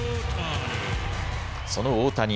その大谷。